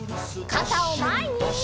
かたをまえに！